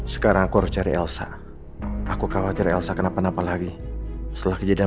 sekarang aku harus cari elsa aku khawatir elsa kenapa napa lagi setelah kejadian